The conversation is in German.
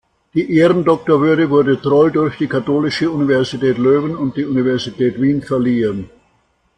Die Ehrendoktorwürde wurde Troll durch die Katholische Universität Löwen und die Universität Wien verliehen.